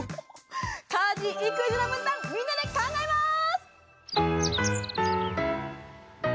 家事育児の分担みんなで考えます。